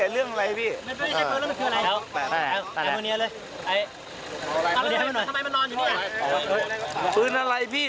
เรื่องอะไรพี่